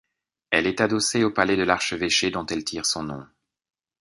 Elle est adossée au palais de l'archevêché dont elle tire son nom.